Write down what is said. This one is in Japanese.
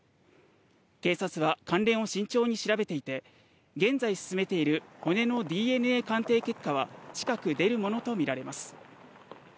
警察は関連を慎重に調べていて、現在進めている骨のＤＮＡ鑑定結果は近く出るものとみられます。